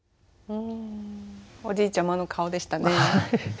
おじいちゃまの顔でしたね。